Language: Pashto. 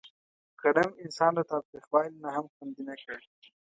غنم انسان له تاوتریخوالي نه هم خوندي نه کړ.